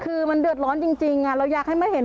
คือมันเดือดร้อนจริงเราอยากให้มาเห็น